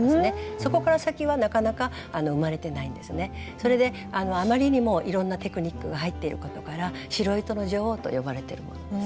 それであまりにもいろんなテクニックが入っていることから「白糸の女王」と呼ばれてるものです。